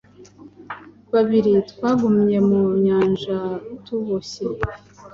babiri twagumye mu Nyanja tuboshye